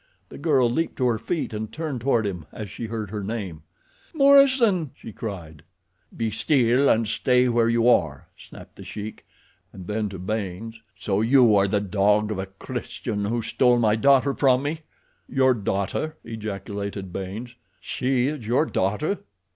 The girl leaped to her feet and turned toward him as she heard her name. "Morison!" she cried. "Be still, and stay where you are," snapped The Sheik, and then to Baynes. "So you are the dog of a Christian who stole my daughter from me?" "Your daughter?" ejaculated Baynes. "She is your daughter?"